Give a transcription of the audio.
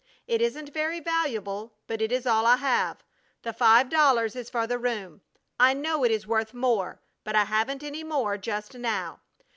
It isn't very valuable, but it is all I have. The five dollars is for the room. I know it is worth more, but I haven't any more just now.